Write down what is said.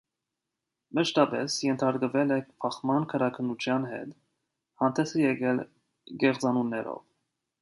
Մշտապես ենթարկվել է բախման գրաքննության հետ, հանդես է եկել կեղծանուններով։